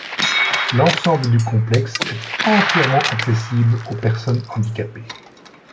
L'ensemble du complexe est entièrement accessible aux personnes handicapées.